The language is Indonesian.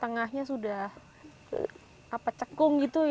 tengahnya sudah cekung gitu ya